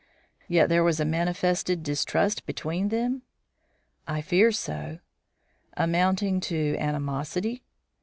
"Yet there was a manifested distrust between them?" "I fear so." "Amounting to animosity?"